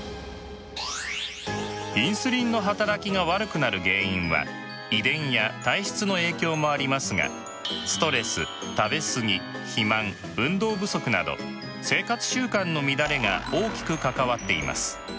インスリンの働きが悪くなる原因は遺伝や体質の影響もありますがストレス食べ過ぎ肥満運動不足など生活習慣の乱れが大きく関わっています。